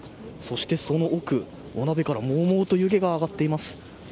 そしてその奥、お鍋からもうもうと湯気が上がっています。